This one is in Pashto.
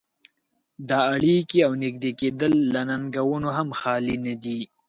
دا اړيکې او نږدې کېدل له ننګونو هم خالي نه دي.